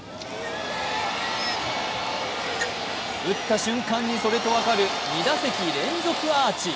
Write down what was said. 打った瞬間にそれと分かる２打席連続アーチ。